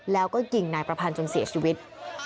แล้วก็ยิงนายประพันธ์จนเสียชีวิต